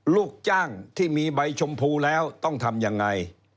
ลูกจ้างที่มีใบชมพูแล้วต้องทำยังไง